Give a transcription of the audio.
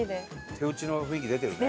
手打ちの雰囲気出てるね。